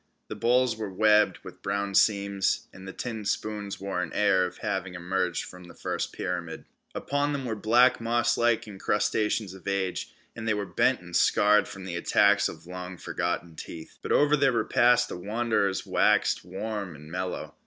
The bowls were webbed with brown seams, and the tin spoons wore an air of having emerged from the first pyramid. Upon them were black mosslike encrustations of age, and they were bent and scarred from the attacks of long forgotten teeth. But over their repast the wanderers waxed warm and mellow.